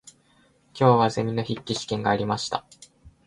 今日はゼミの筆記試験がありました。